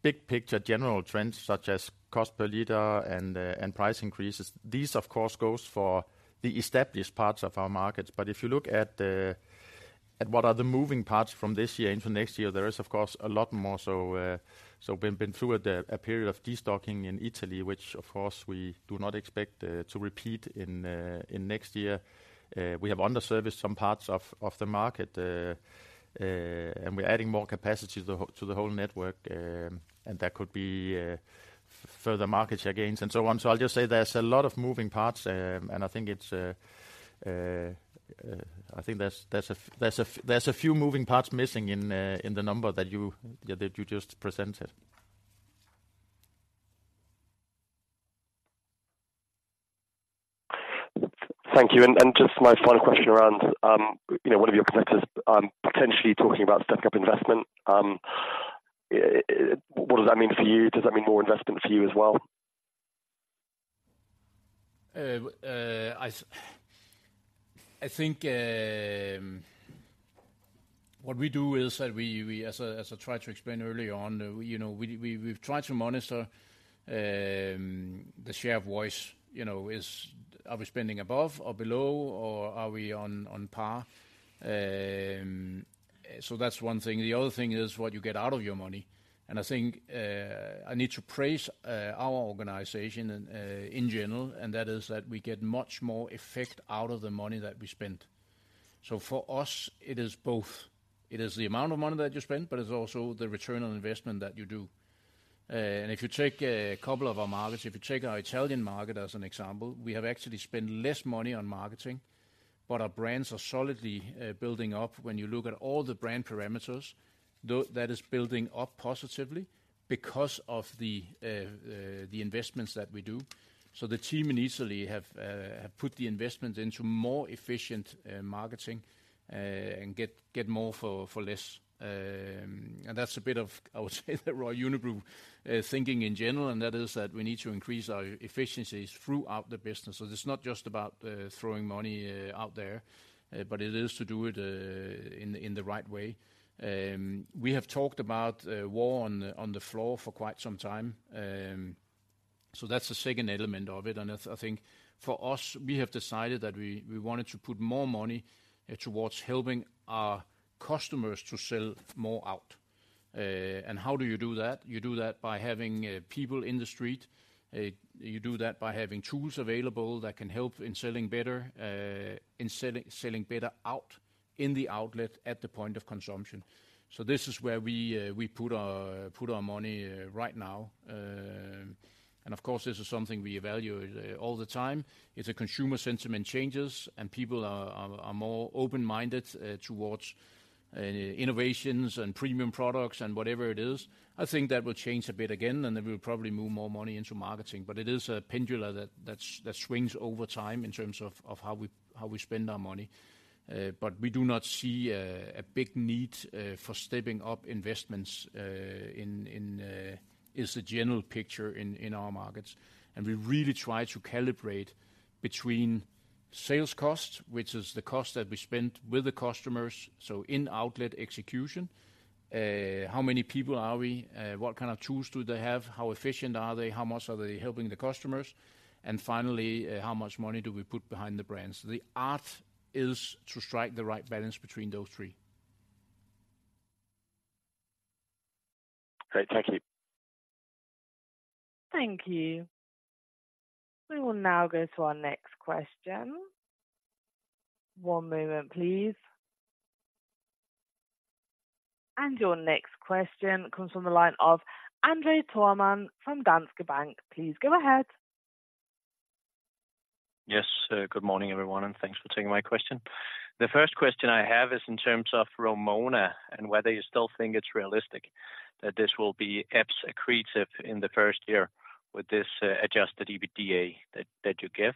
A: big picture general trends, such as cost per liter and price increases, these of course goes for the established parts of our markets. But if you look at what are the moving parts from this year into next year, there is, of course, a lot more, so we've been through a period of destocking in Italy, which of course we do not expect to repeat in next year. We have underserviced some parts of the market, and we're adding more capacity to the whole network, and that could be further market share gains and so on. I'll just say there's a lot of moving parts, and I think there's a few moving parts missing in the number that you just presented.
G: Thank you. And just my final question around, you know, one of your competitors, potentially talking about stepping up investment. What does that mean for you? Does that mean more investment for you as well?
A: I think what we do is that we, as I tried to explain early on, you know, we've tried to monitor the share of voice, you know, is... Are we spending above or below, or are we on par? So that's one thing. The other thing is what you get out of your money, and I think I need to praise our organization in general, and that is that we get much more effect out of the money that we spend. So for us, it is both. It is the amount of money that you spend, but it's also the return on investment that you do. And if you take a couple of our markets, if you take our Italian market as an example, we have actually spent less money on marketing, but our brands are solidly building up. When you look at all the brand parameters, that is building up positively because of the investments that we do. So the team in Italy have put the investment into more efficient marketing and get more for less. And that's a bit of, I would say, the Royal Unibrew thinking in general, and that is that we need to increase our efficiencies throughout the business. So it's not just about throwing money out there, but it is to do it in the right way. We have talked about war on the floor for quite some time, so that's the second element of it. I think for us, we have decided that we wanted to put more money towards helping our customers to sell more out. And how do you do that? You do that by having people in the street. You do that by having tools available that can help in selling better in selling better out in the outlet at the point of consumption. So this is where we put our money right now. And of course, this is something we evaluate all the time. If the consumer sentiment changes and people are more open-minded towards innovations and premium products and whatever it is, I think that will change a bit again, and then we'll probably move more money into marketing. But it is a pendulum that swings over time in terms of how we spend our money. But we do not see a big need for stepping up investments in is the general picture in our markets. And we really try to calibrate between sales costs, which is the cost that we spend with the customers, so in-outlet execution, how many people are we? What kind of tools do they have? How efficient are they? How much are they helping the customers? And finally, how much money do we put behind the brands? The art is to strike the right balance between those three.
C: Great. Thank you. Thank you. We will now go to our next question. One moment, please. Your next question comes from the line of André Thormann from Danske Bank. Please go ahead.
H: Yes, good morning, everyone, and thanks for taking my question. The first question I have is in terms of Vrumona and whether you still think it's realistic, that this will be EPS accretive in the first year with this, Adjusted EBITDA that, that you give?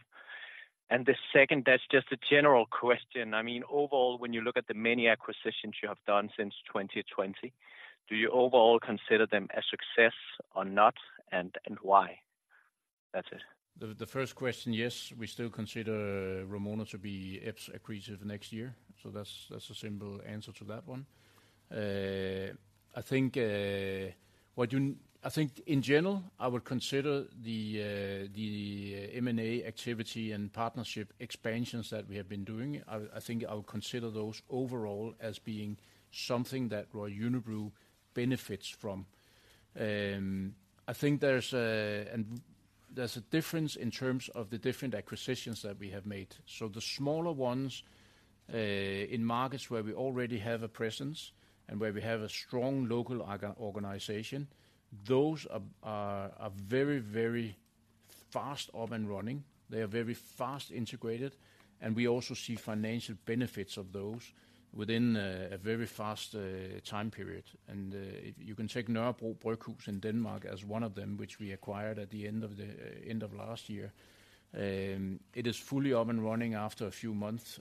H: And the second, that's just a general question. I mean, overall, when you look at the many acquisitions you have done since 2020, do you overall consider them a success or not, and, and why? That's it.
A: The first question, yes, we still consider Vrumona to be EPS accretive next year, so that's a simple answer to that one. I think what you—I think in general, I would consider the M&A activity and partnership expansions that we have been doing, I think I would consider those overall as being something that Royal Unibrew benefits from. I think there's a, and there's a difference in terms of the different acquisitions that we have made. So the smaller ones in markets where we already have a presence and where we have a strong local organization, those are very fast up and running. They are very fast integrated, and we also see financial benefits of those within a very fast time period. And, you can take Nørrebro Bryghus in Denmark as one of them, which we acquired at the end of last year. It is fully up and running after a few months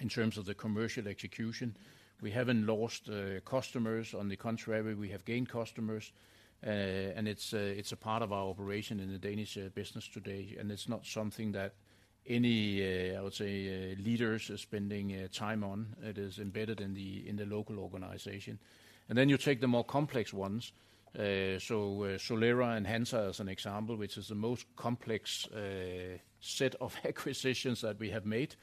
A: in terms of the commercial execution. We haven't lost customers. On the contrary, we have gained customers, and it's a part of our operation in the Danish business today, and it's not something that any I would say leaders are spending time on. It is embedded in the local organization. And then you take the more complex ones, Solera and Hansa as an example, which is the most complex set of acquisitions that we have made.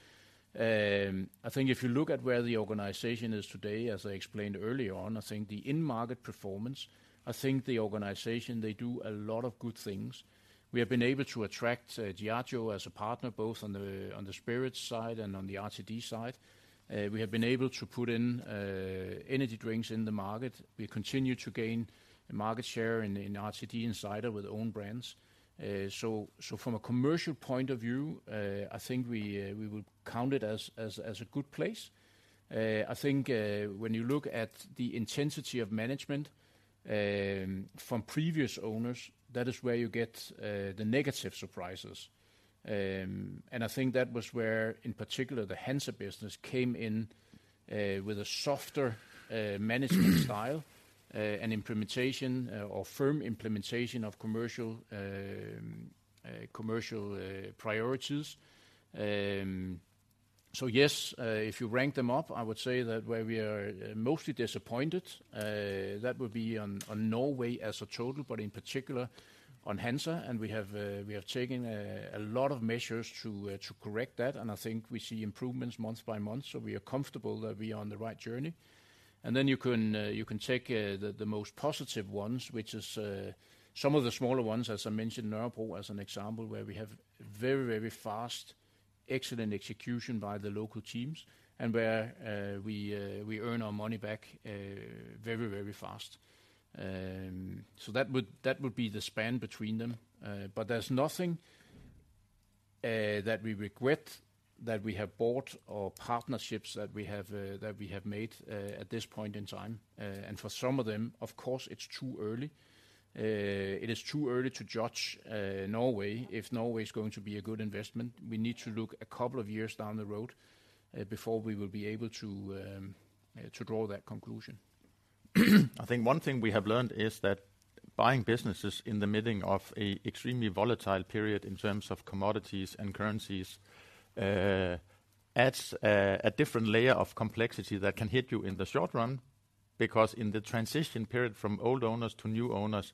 A: I think if you look at where the organization is today, as I explained earlier on, I think the in-market performance, I think the organization, they do a lot of good things. We have been able to attract Diageo as a partner, both on the spirits side and on the RTD side. We have been able to put in energy drinks in the market. We continue to gain market share in RTD and cider with own brands. So from a commercial point of view, I think we would count it as a good place. I think when you look at the intensity of management from previous owners, that is where you get the negative surprises. I think that was where, in particular, the Hansa business came in with a softer management style and implementation or firm implementation of commercial priorities. So yes, if you rank them up, I would say that where we are mostly disappointed, that would be on Norway as a total, but in particular on Hansa, and we have taken a lot of measures to correct that, and I think we see improvements month by month, so we are comfortable that we are on the right journey. And then you can take the most positive ones, which is some of the smaller ones, as I mentioned, Nørrebro, as an example, where we have very, very fast, excellent execution by the local teams and where we earn our money back very, very fast. So that would be the span between them. But there's nothing that we regret that we have bought or partnerships that we have made at this point in time. And for some of them, of course, it's too early. It is too early to judge Norway, if Norway is going to be a good investment. We need to look a couple of years down the road before we will be able to draw that conclusion. I think one thing we have learned is that buying businesses in the middle of an extremely volatile period in terms of commodities and currencies, adds a different layer of complexity that can hit you in the short run, because in the transition period from old owners to new owners,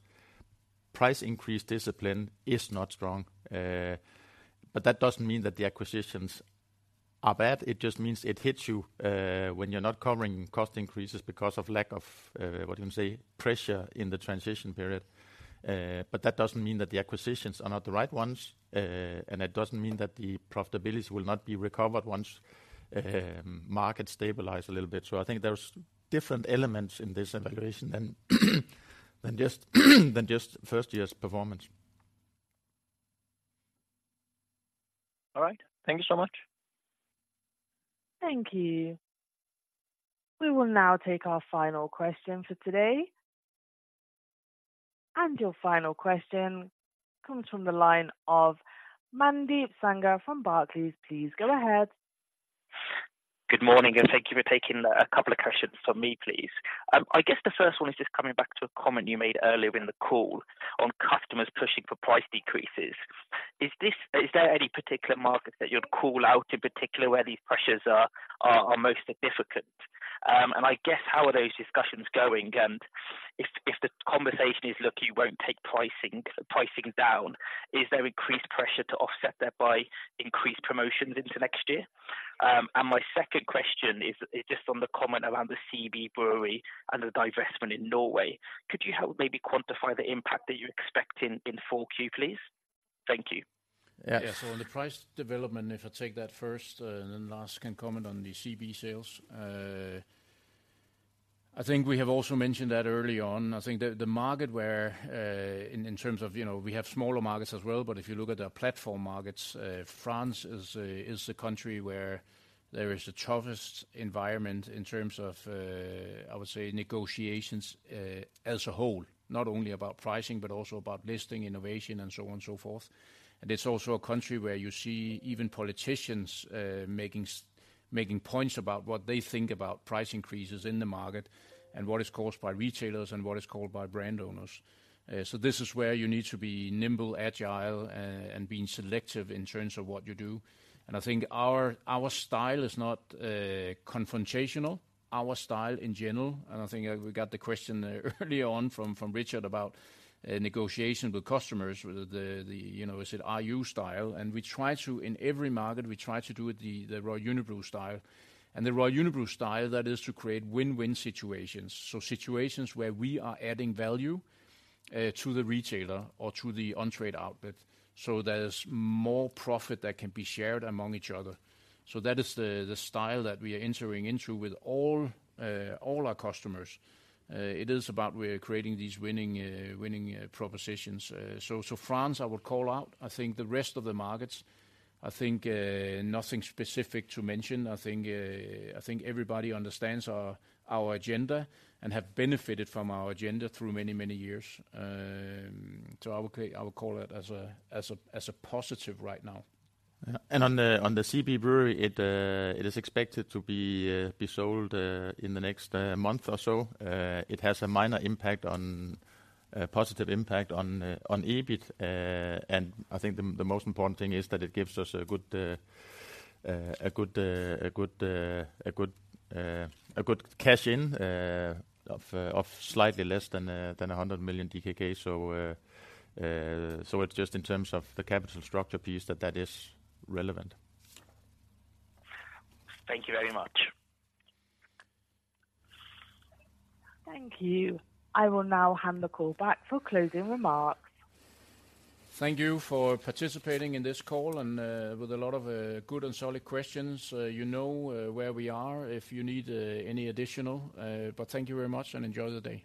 A: price increase discipline is not strong. But that doesn't mean that the acquisitions are-...
B: are bad, it just means it hits you, when you're not covering cost increases because of lack of, what you can say, pressure in the transition period. But that doesn't mean that the acquisitions are not the right ones, and it doesn't mean that the profitability will not be recovered once market stabilize a little bit. So I think there's different elements in this evaluation than just first year's performance.
A: All right. Thank you so much.
C: Thank you. We will now take our final question for today. Your final question comes from the line of Mandeep Sangha from Barclays. Please go ahead.
I: Good morning, and thank you for taking a couple of questions from me, please. I guess the first one is just coming back to a comment you made earlier in the call on customers pushing for price decreases. Is there any particular market that you'd call out, in particular, where these pressures are most significant? And I guess, how are those discussions going? And if the conversation is, "Look, you won't take pricing down," is there increased pressure to offset that by increased promotions into next year? And my second question is just on the comment around the CB Brewery and the divestment in Norway. Could you help maybe quantify the impact that you're expecting in 4Q, please? Thank you.
B: Yeah.
A: Yeah. So on the price development, if I take that first, and then Lars can comment on the CB sales. I think we have also mentioned that early on. I think the market where, in terms of, you know, we have smaller markets as well, but if you look at our platform markets, France is the country where there is the toughest environment in terms of, I would say, negotiations, as a whole, not only about pricing, but also about listing, innovation, and so on and so forth. And it's also a country where you see even politicians, making points about what they think about price increases in the market, and what is caused by retailers and what is caused by brand owners. So this is where you need to be nimble, agile, and being selective in terms of what you do. And I think our style is not confrontational. Our style, in general, and I think we got the question earlier on from Richard about negotiation with customers, with the, you know, is it our style? And we try to, in every market, we try to do it the Royal Unibrew style. And the Royal Unibrew style, that is to create win-win situations. So situations where we are adding value to the retailer or to the on-trade outlet, so there's more profit that can be shared among each other. So that is the style that we are entering into with all our customers. It is about we're creating these winning propositions. So, France, I would call out. I think the rest of the markets, I think, nothing specific to mention. I think, I think everybody understands our, our agenda and have benefited from our agenda through many, many years. So I would call that as a, as a, as a positive right now.
B: Yeah. On the CB Brewery, it is expected to be sold in the next month or so. It has a minor, positive impact on EBIT. I think the most important thing is that it gives us a good cash in of slightly less than 100 million DKK. So it's just in terms of the capital structure piece that that is relevant.
I: Thank you very much.
C: Thank you. I will now hand the call back for closing remarks.
A: Thank you for participating in this call, and with a lot of good and solid questions. You know where we are if you need any additional... But thank you very much, and enjoy the day.